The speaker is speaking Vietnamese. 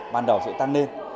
ban đầu sẽ tăng lên